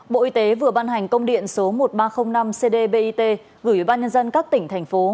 bộ y tế vừa ban hành công điện số một nghìn ba trăm linh năm cdbit gửi ủy ban nhân dân các tỉnh thành phố